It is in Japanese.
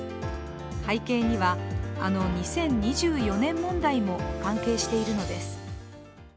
背景には、あの２０２４年問題も関係しているのです。